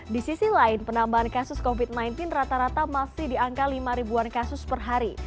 di sisi lain penambahan kasus covid sembilan belas rata rata masih di angka lima ribuan kasus per hari